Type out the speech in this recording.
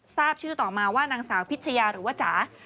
ทราบชื่อต่อมาว่านางสาวพิชยาหรือว่าจ๋า